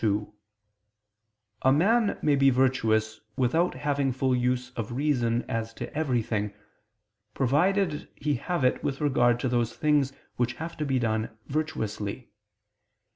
2: A man may be virtuous without having full use of reason as to everything, provided he have it with regard to those things which have to be done virtuously.